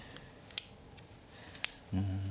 うん。